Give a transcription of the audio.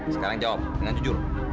sekarang jawab dengan jujur